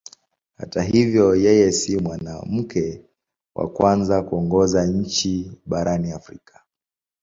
Hata hivyo yeye sio mwanamke wa kwanza kuongoza nchi barani Afrika.